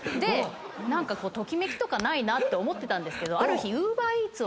何かときめきとかないなって思ってたけどある日。